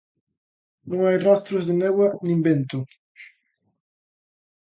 Non hai rastros de néboa nin vento.